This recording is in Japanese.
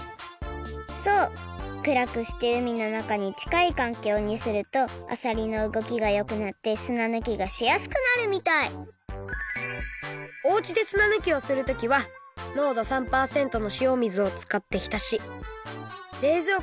そうくらくしてうみのなかにちかいかんきょうにするとあさりのうごきがよくなって砂ぬきがしやすくなるみたいおうちで砂ぬきをするときはれいぞうこにはいれずそうなんだ！